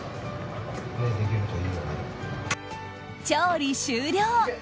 調理終了！